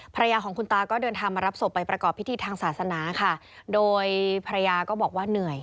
ภรรยาของคุณตาก็เดินทางมารับศพไปประกอบพิธีทางศาสนาค่ะโดยภรรยาก็บอกว่าเหนื่อย